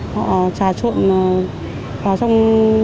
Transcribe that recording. họ trà trộn vào trong